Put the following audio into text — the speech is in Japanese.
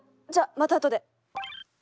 じゃあまたあとで。